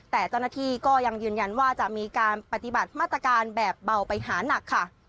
แต่เจ้าหน้าที่ก็ยังยืนยันว่าจะมีการปฏิบัติมาตรการแบบเบาไปหานักค่ะ